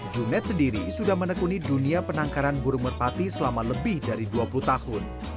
junet sendiri sudah menekuni dunia penangkaran burung merpati selama lebih dari dua puluh tahun